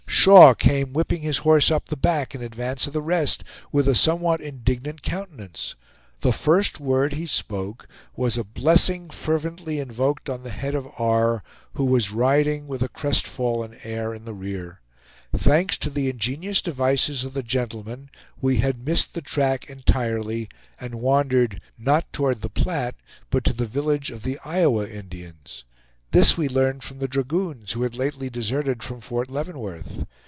Shaw came whipping his horse up the back, in advance of the rest, with a somewhat indignant countenance. The first word he spoke was a blessing fervently invoked on the head of R., who was riding, with a crest fallen air, in the rear. Thanks to the ingenious devices of the gentleman, we had missed the track entirely, and wandered, not toward the Platte, but to the village of the Iowa Indians. This we learned from the dragoons, who had lately deserted from Fort Leavenworth.